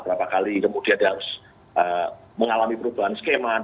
berapa kali kemudian dia harus mengalami perubahan skema